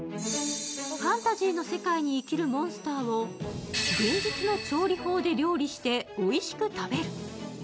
ファンタジーの世界に生きるモンスターを現実の調理法で料理しておいしく食べる。